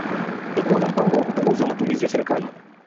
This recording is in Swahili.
ya kuwa na mpango wa kupunguza matumizi ya serikali